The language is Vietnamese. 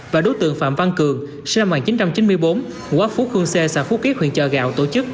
tờ hộ của bà đinh thị tám sinh năm một nghìn chín trăm ba mươi ngũ ốc phú khương xê xã phú kiếp huyện trà gạo